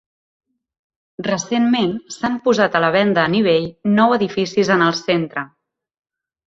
Recentment, s'han posat a la venda en eBay nou edificis en el centre.